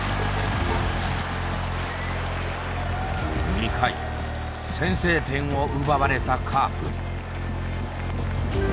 ２回先制点を奪われたカープ。